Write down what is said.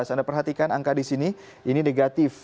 anda perhatikan angka di sini ini negatif